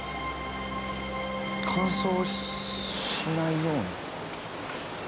乾燥しないように。